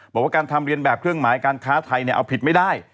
บอกว่าการทำเรียนแบบเครื่องหมายการค้าไทยเอาผิดไม่ได้